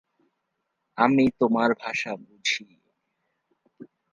আমি তোমার ভাষা বুঝি।